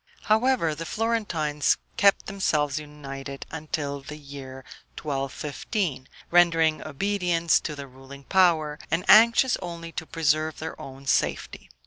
However, the Florentines kept themselves united until the year 1215, rendering obedience to the ruling power, and anxious only to preserve their own safety.